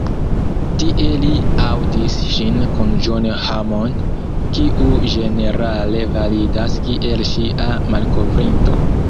Tie li aŭdis ŝin kun John Hammond, kiu ĝenerale validas kiel ŝia „malkovrinto“.